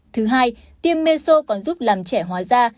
thứ hai tiêm meso còn giúp làm trẻ hóa da